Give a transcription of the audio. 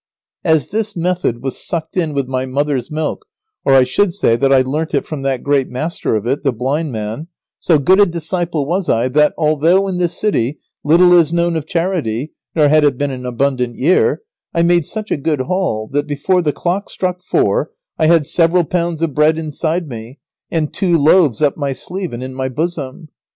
As this method was sucked in with my mother's milk, or I should say that I learnt it from that great master of it, the blind man, so good a disciple was I that, although in this city little is known of charity, nor had it been an abundant year, I made such a good haul that, before the clock struck four, I had several pounds of bread inside me, and two loaves up my sleeve and in my bosom.